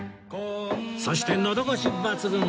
そしてのどごし抜群！